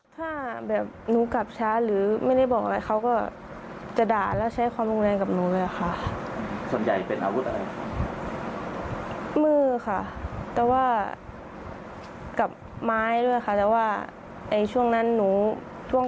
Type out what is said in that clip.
ไปคุยกับทางฝั่ง